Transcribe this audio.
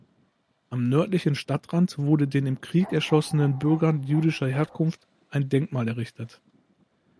Am nördlichen Stadtrand wurde den im Krieg erschossenen Bürgern jüdischer Herkunft ein Denkmal errichtet.